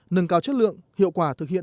nâng cao chất lượng hiệu quả thực hiện